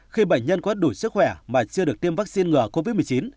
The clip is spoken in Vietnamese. khi bệnh nhân có đủ sức khỏe mà chưa được tiêm vaccine ngừa covid một mươi chín